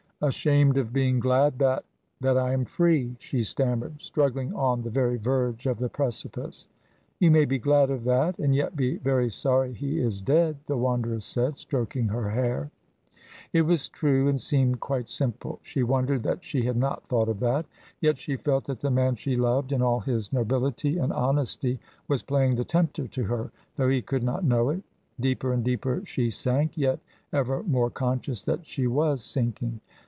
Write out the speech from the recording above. "Ashamed of being glad that that I am free," she stammered, struggling on the very verge of the precipice. "You may be glad of that, and yet be very sorry he is dead," the Wanderer said, stroking her hair. It was true, and seemed quite simple. She wondered that she had not thought of that. Yet she felt that the man she loved, in all his nobility and honesty, was playing the tempter to her, though he could not know it. Deeper and deeper she sank, yet ever more conscious that she was sinking.